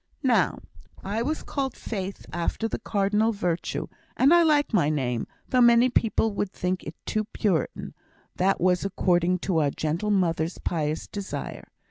"Now, I was called Faith after the cardinal virtue; and I like my name, though many people would think it too Puritan; that was according to our gentle mother's pious desire.